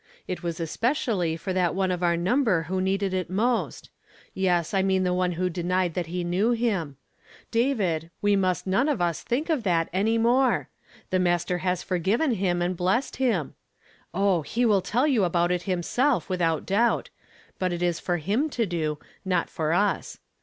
It was especially for that one «'f our number who needed it most. Yes, I mean ilio one who denied that he knew him. David, 'p 338 YESTEEDAY FRAMED IN TO DAY. H:' we must none of us think of that any more; the Master h^s forgiven him and hlessed him. Oh! he will tell you about it himself, without doubt ; but it is for him to do, not for us.